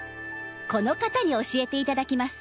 この方に教えて頂きます。